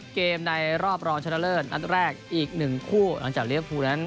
เมื่อเกมในรอบรอนฉะเลือดอันแรกอีก๑คู่จากโรงเรียลฟูร์นั้น